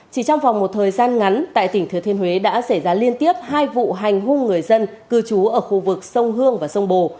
chỉ trong vòng một thời gian ngắn tại tỉnh thừa thiên huế đã xảy ra liên tiếp hai vụ hành hung người dân cư trú ở khu vực sông hương và sông bồ